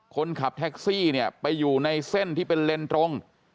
คนขับแท็กซี่เนี่ยไปอยู่ในเส้นที่เป็นเลนส์ตรง